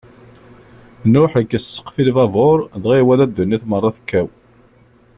Nuḥ ikkes ssqef i lbabuṛ, dɣa iwala ddunit meṛṛa tekkaw.